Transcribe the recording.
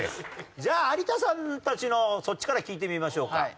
じゃあ有田さんたちのそっちから聞いてみましょうか。